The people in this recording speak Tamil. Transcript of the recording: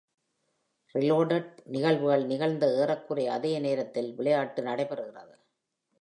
"ரீலோடட்" நிகழ்வுகள் நிகழ்ந்த ஏறக்குறைய அதே நேரத்தில் விளையாட்டு நடைபெறுகிறது.